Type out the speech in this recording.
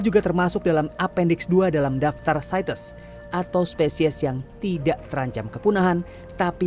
juga termasuk dalam appendix dua dalam daftar sides atau spesies yang tidak terancam kepunahan tapi